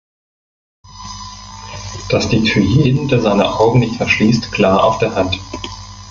Dies liegt für jeden, der seine Augen nicht verschließt, klar auf der Hand.